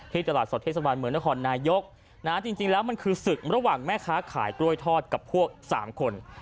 ที่ตลาดสวทธิสวรรค์เหมือนละครนายกจริงจริงแล้วมันคือสึกระหว่างแม่ค้าขายกล้วยทอดกับพวกสามคน